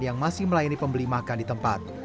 yang masih melayani pembeli makan di tempat